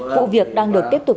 vụ việc đang được tiếp tục